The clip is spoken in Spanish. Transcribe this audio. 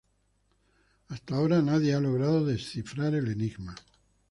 Hasta ahora nadie ha logrado descifrar el enigma.